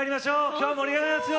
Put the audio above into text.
今日盛り上がりますよ！